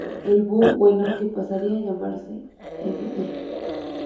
El Boo bueno, que pasaría a llamarse Mr.